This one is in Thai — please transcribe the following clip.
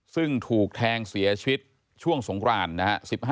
ซึ่งถูกแทงเสียชีวิตช่วงสงครานนะฮะ